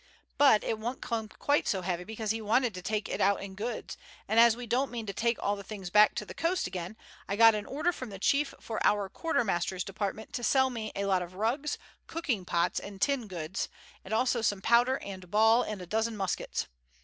But it won't come quite so heavy, because he wanted to take it out in goods, and as we don't mean to take all the things back to the coast again, I got an order from the chief for our quarter master's department to sell me a lot of rugs, cooking pots, and tin goods, and also some powder and ball and a dozen muskets.